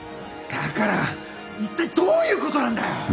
だからいったいどういうことなんだよ！？